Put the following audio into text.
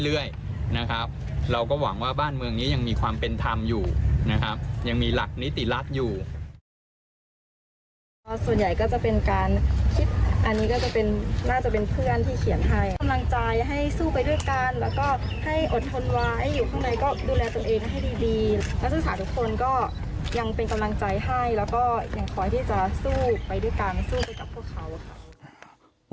และศึกษาทุกคนก็ยังเป็นกำลังใจให้แล้วก็ยังขอให้ที่จะสู้ไปด้วยกัน